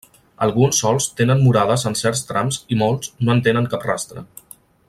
Alguns sols tenen murades en certs trams i molts no en tenen cap rastre.